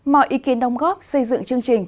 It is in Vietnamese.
mọi ý kiến đồng góp xây dựng chương trình